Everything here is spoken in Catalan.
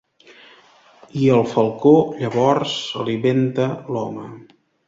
I el falcó llavors alimenta l'home.